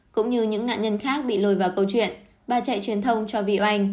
cũng như những nạn nhân khác bị lôi vào câu chuyện bà chạy truyền thông cho vy oanh